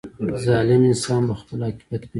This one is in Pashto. • ظالم انسان به خپل عاقبت ویني.